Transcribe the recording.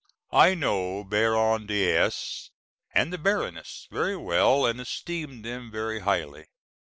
I know Baron de S , and the Baroness very well and esteem them very highly.